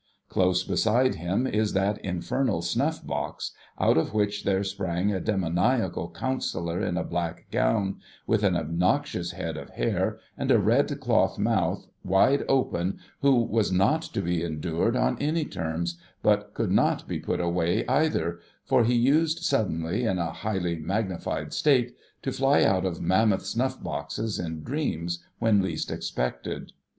Close beside him is that infernal snuff box, out of which there sprang a demoniacal Counsellor in a black gown, with an obnoxious head of hair, and a red cloth mouth, wide open, who was not to be endured on any terms, but could not be put away either; for he used suddenly, in a highly magnified state, to fly out of Mammoth Snuff boxes in dreams, when least expected.